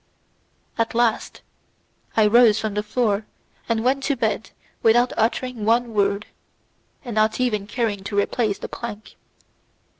At last I rose from the floor and went to bed without uttering one word, and not even caring to replace the plank.